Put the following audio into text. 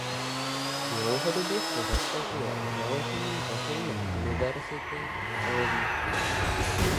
Dlouhodobě se zasazuje o založení veřejné univerzity v Karlových Varech.